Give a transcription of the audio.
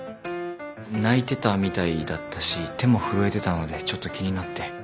泣いてたみたいだったし手も震えてたのでちょっと気になって。